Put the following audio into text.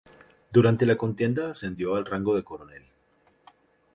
Durante la contienda ascendió al rango de coronel.